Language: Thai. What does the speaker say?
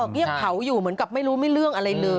เกลียดเผาอยู่เหมือนกับไม่รู้ไม่เลื่อน